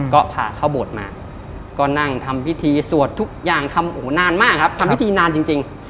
ก็พาเข้าโบสถ์มาก็นั่งทำพิธีสวดทุกอย่างทำโอ้โหนานมากครับทำพิธีนานจริง